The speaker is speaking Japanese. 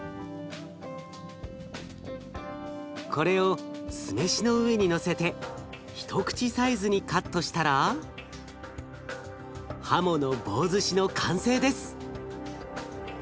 これを酢飯の上にのせて一口サイズにカットしたらハモの棒ずしの完成です。